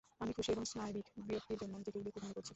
আমি খুশী এবং স্নায়বিক বিরক্তির জন্য নিজেকেই বেকুব মনে করছি।